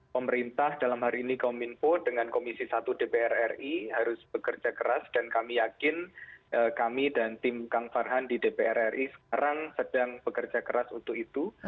pemerintah dalam hari ini kominfo dengan komisi satu dpr ri harus bekerja keras dan kami yakin kami dan tim kang farhan di dpr ri sekarang sedang bekerja keras untuk itu